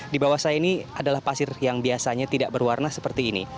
di bawah saya ini adalah pasir yang biasanya tidak berwarna seperti ini